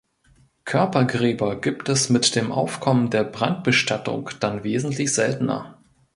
Körpergräber gibt es mit dem Aufkommen der Brandbestattung dann wesentlich seltener.